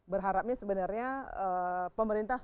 berharapnya sebenarnya pemerintah